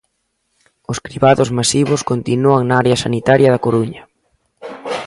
Os cribados masivos continúan na área sanitaria da Coruña.